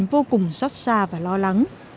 vô cùng xót xa và lo lắng